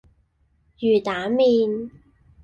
魚蛋麪